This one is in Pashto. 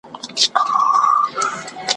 د ملغلري یو آب دی چي ولاړ سي `